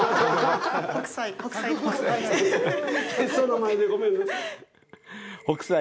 先生の前でごめんなさい！